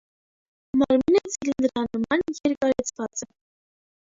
Մարմինը ցիլինդրանման, երկարեցված է։